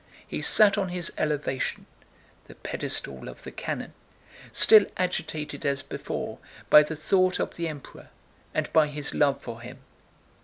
He sat on his elevation—the pedestal of the cannon—still agitated as before by the thought of the Emperor and by his love for him.